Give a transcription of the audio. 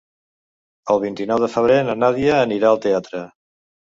El vint-i-nou de febrer na Nàdia anirà al teatre.